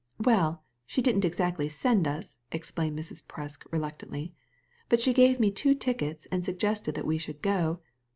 " Well, she didn't exactly send us," explained Mrs. Presk, reluctantly, " but she gave me two tickets and suggested that we should go.